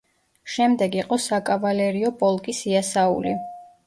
შემდეგ იყო საკავალერიო პოლკის იასაული.